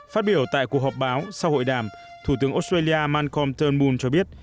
phát biểu tại cuộc họp báo sau hội đàm thủ tướng australia malcolm turnbull cho biết